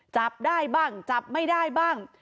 จับได้บ้างจับไม่ได้บ้าง